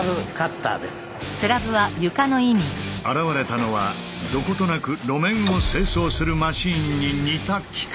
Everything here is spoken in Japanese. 現れたのはどことなく路面を清掃するマシーンに似た機械。